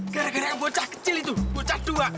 gara gara bocah kecil itu bocah dua